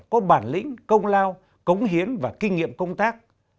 có bản lĩnh công lao cống hiến và kinh nghiệm công tác